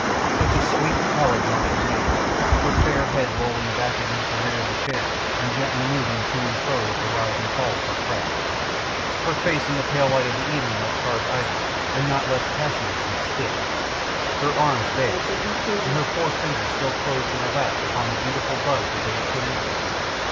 Such a sweet, pallid, Martian maid, her fair head lolling back against the rear of the chair and gently moving to and fro with the rise and fall of her craft. Her face in the pale light of the evening like carved ivory, and not less passionless and still; her arms bare, and her poor fingers still closed in her lap upon the beautiful buds they had put into them.